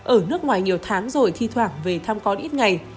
ở nước ngoài nhiều tháng rồi thi thoảng về thăm con ít ngày